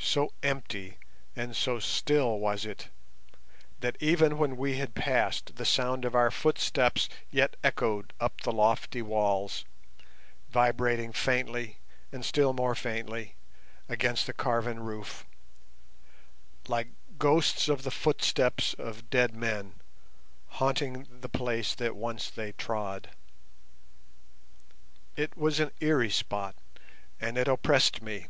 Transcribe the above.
So empty and so still was it, that even when we had passed the sound of our footsteps yet echoed up the lofty walls, vibrating faintly and still more faintly against the carven roof, like ghosts of the footsteps of dead men haunting the place that once they trod. It was an eerie spot, and it oppressed me.